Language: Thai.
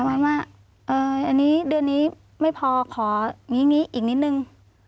ไม่มากอันนี้เดือนนี้ไม่พอของี้นี้อีกนิดหนึ่ง